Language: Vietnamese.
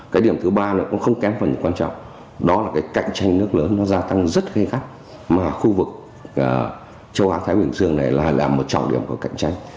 cái điểm thứ ba nó cũng không kém phần quan trọng đó là cái cạnh tranh nước lớn nó gia tăng rất gây gắt mà khu vực châu á thái bình dương này lại là một trọng điểm của cạnh tranh